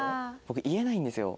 僕言えないんですよ。